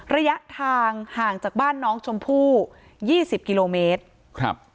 ระยะทางห่างจากบ้านน้องชมพู่ยี่สิบกิโลเมตรครับ